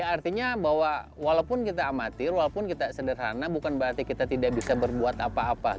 artinya bahwa walaupun kita amatir walaupun kita sederhana bukan berarti kita tidak bisa berbuat apa apa